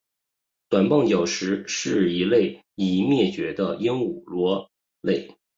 短棒角石是一属已灭绝的鹦鹉螺类。